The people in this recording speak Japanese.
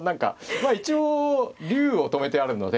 まあ一応竜を止めてあるので。